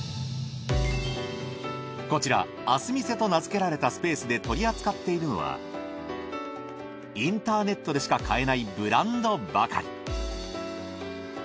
こちら明日見世と名付けられたスペースで取り扱っているのはインターネットでしか買えないブランドばかり。